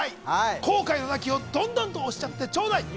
後悔のなきようどんどん押しちゃってちょうだい！